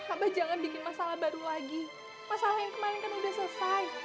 abah jangan bikin masalah baru lagi masalah yang kemarin kan udah selesai